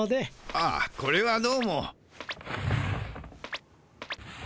ああこれはどうも。